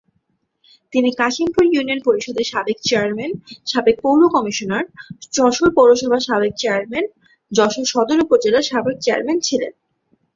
তিনি কাশিমপুর ইউনিয়ন পরিষদের সাবেক চেয়ারম্যান, সাবেক পৌর কমিশনার, যশোর পৌরসভার সাবেক চেয়ারম্যান, যশোর সদর উপজেলার সাবেক চেয়ারম্যান ছিলেন।